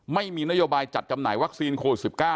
ไม่มีนโยบายจัดจำหน่ายวัคซีนโควิด๑๙